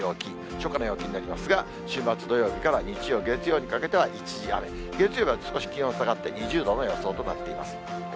初夏の陽気になりますが、週末土曜日から日曜、月曜にかけては一時雨、月曜日は少し気温下がって、２０度の予想となっています。